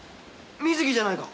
「観月じゃないか！